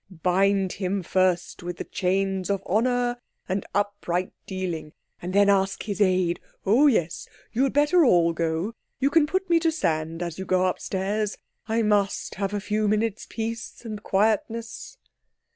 Bind him first with the chains of honour and upright dealing. And then ask his aid—oh, yes, you'd better all go; you can put me to sand as you go upstairs. I must have a few minutes' peace and quietness."